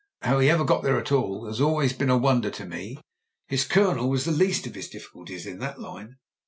How he ever got there at all has always been a wonder to me : his Colonel was the least of his difficulties in that line.